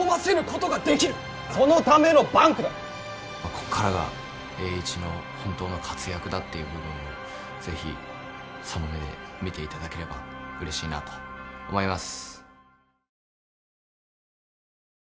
ここからが栄一の本当の活躍だという部分を是非その目で見ていただければうれしいなと思います。